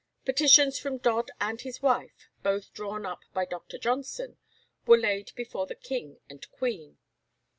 Petitions from Dodd and his wife, both drawn up by Dr. Johnson, were laid before the King and Queen.